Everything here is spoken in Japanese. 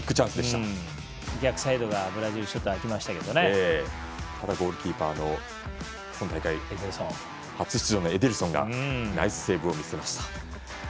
ただ、ゴールキーパーの今大会初出場のエデルソンがナイスセーブを見せました。